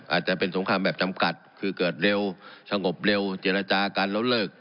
อาจจะเป็นสงครามแบบจำกัดคือเกิดเร็วสงบเร็วเจรจากันแล้วเลิก